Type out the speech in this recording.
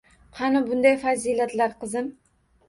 Qani bunday fazilatlar, qizim?